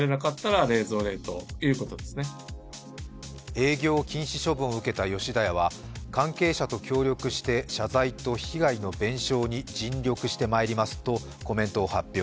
営業禁止処分を受けた吉田屋は関係者と協力して謝罪と被害の弁償に尽力してまいりますとコメントを発表。